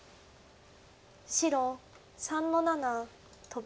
白３の七トビ。